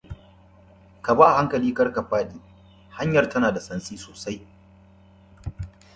Eventually the board did away with subcommittee meetings altogether.